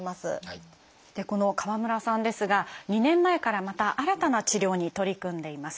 この川村さんですが２年前からまた新たな治療に取り組んでいます。